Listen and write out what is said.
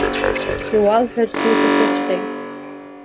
Иуалҳәарц иуҭахыҵәҟьеи?!